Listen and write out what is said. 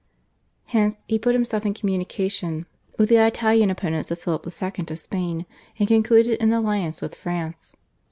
Hence, he put himself in communication with the Italian opponents of Philip II. of Spain, and concluded an alliance with France.